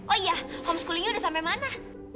oh iya homeschoolingnya udah sampai mana